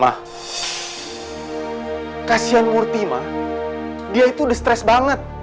ma kasihan murthy ma dia udah stress banget